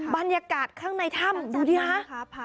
บรรยากาศข้างในถ้ำดูดิฮะ